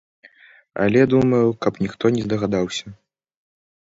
Але думаю, каб ніхто не здагадаўся!